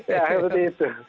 ya seperti itu